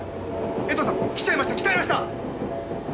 江藤さん来ちゃいました来ちゃいました！